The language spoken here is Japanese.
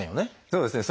そうですね。